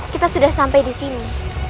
kita sudah sampai disini